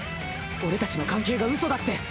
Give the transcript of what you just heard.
俺たちの関係がうそだって。